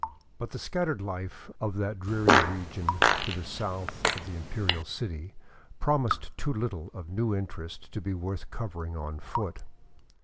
But the scattered Hfe of that dreary region to the south of the Im perial City promised too little of new interest to be worth covering on foot.